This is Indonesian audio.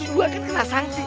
gue kan kena sangsi